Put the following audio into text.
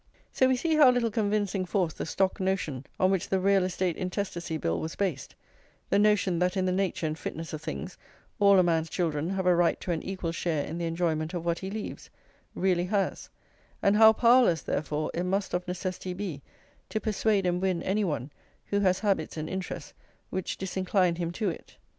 So we see how little convincing force the stock notion on which the Real Estate Intestacy Bill was based, the notion that in the nature and fitness of things all a man's children have a right to an equal share in the enjoyment of what he leaves, really has; and how powerless, therefore, it must of necessity be to persuade and win any one who has habits and interests which disincline him to it.